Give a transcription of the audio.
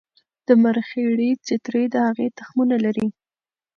د مرخیړي چترۍ د هغې تخمونه لري